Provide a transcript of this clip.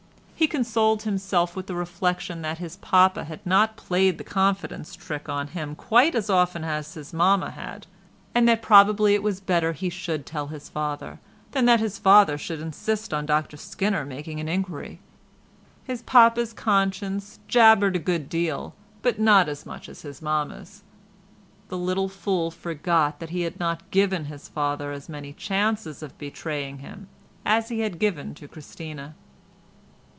He consoled himself with the reflection that his papa had not played the confidence trick on him quite as often as his mamma had, and that probably it was better he should tell his father, than that his father should insist on Dr Skinner's making an inquiry. His papa's conscience "jabbered" a good deal, but not as much as his mamma's. The little fool forgot that he had not given his father as many chances of betraying him as he had given to Christina.